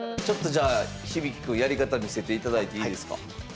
ちょっとじゃあひびきくんやり方見せて頂いていいですか。